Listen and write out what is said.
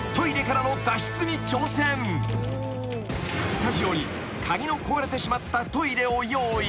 ［スタジオに鍵の壊れてしまったトイレを用意］